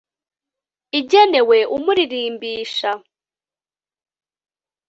igenewe umuririmbisha